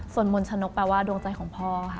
ส่วนมนต์ชนกแปลว่าดวงใจของพ่อค่ะ